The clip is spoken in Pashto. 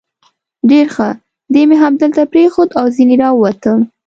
ډېر ښه، دی مې همدلته پرېښود او ځنې را ووتم.